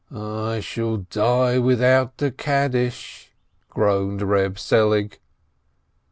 "I shall die without a Kaddish !" groaned Reb Selig.